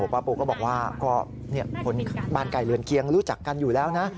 ป้าปูก็บอกว่าก็คนบ้านไก่เรือนเคียงรู้จักกันอยู่แล้วนะ